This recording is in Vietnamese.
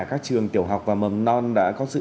các trường tiểu học và mầm non đã có sự